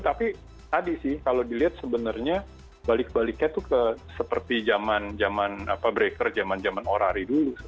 tapi tadi sih kalau dilihat sebenarnya balik baliknya tuh ke seperti zaman zaman breaker zaman zaman orari dulu